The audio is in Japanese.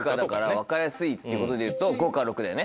分かりやすいってことでいうと５か６だよね。